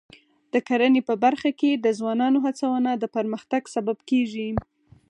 د کرنې په برخه کې د ځوانانو هڅونه د پرمختګ سبب کېږي.